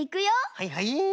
はいはい。